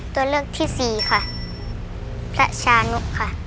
ตัวเลือกที่สี่ค่ะพระชานุค่ะ